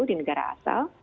di negara asal